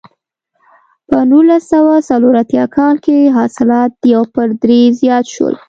په نولس سوه څلور اتیا کال کې حاصلات یو پر درې زیات شول.